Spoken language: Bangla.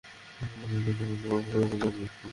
চিনাবাদাম না প্রেটজেল?